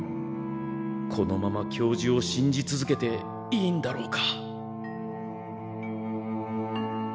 このまま教授を信じ続けていいんだろうか。